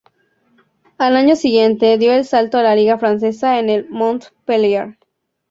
Al año siguiente dio el salto a la liga francesa, en el Montpellier.